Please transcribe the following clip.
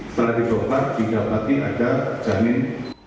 setelah dibongkar didapati ada jamin